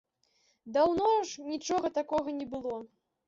Даўно ж нічога такога не было.